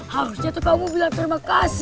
harusnya tuh kamu bilang terima kasih